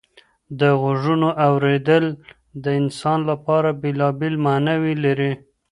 د غږونو اورېدل د انسان لپاره بېلابېل معنی لري.